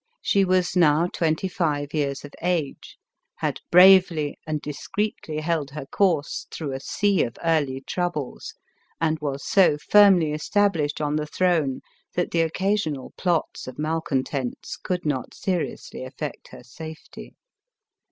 She was now twenty five years of age, had bravely and discreetly held her course through a sea of early troubles, and was so firmly established on the throne that the occasional plots of malcontents could not seriously affect her safety.